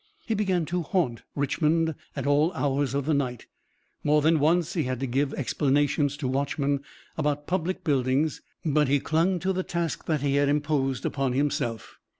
He began to haunt Richmond at all hours of the night. More than once he had to give explanations to watchmen about public buildings, but he clung to the task that he had imposed upon himself.